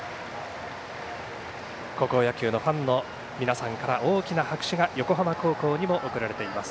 高校野球のファンの皆さんから大きな拍手が横浜高校にも送られています。